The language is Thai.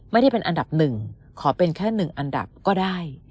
ไม่ได้เป็นอันดับหนึ่งขอเป็นแค่๑อันดับก็ได้